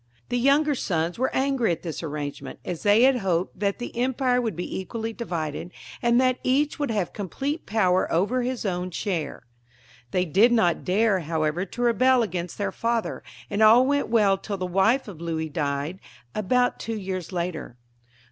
The younger sons yr^re angry at this arrangement, as they had hoped that the empire would be equally divided, and that each would have complete power over his own share. IX.] DESCENDANTS OF CHARLEMAGNE, 45 They did not dare, however, to rebel against their father, and all went weU till the wife of Louis died about two years later.